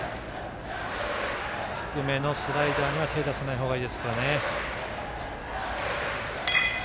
低めのスライダーには手を出さない方がいいです。